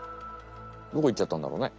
どこいっちゃったんだろうね？